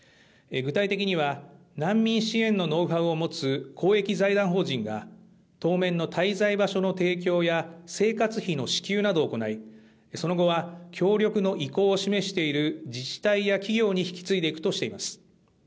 具体的には、難民支援のノウハウを持つ公益財団法人が当面の滞在場所の提供や、生活費の支給などを行い、その後は協力の意向を示している自治体や企業に引き継いでいくとしています。